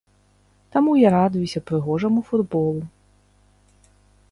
Таму я радуюся прыгожаму футболу.